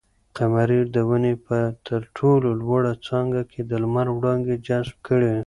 قمرۍ د ونې په تر ټولو لوړه څانګه کې د لمر وړانګې جذب کړې.